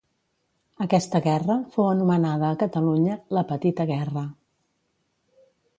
Aquesta guerra fou anomenada a Catalunya "la petita Guerra".